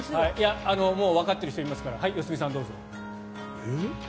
もうわかっている人いますから良純さん、どうぞ。え？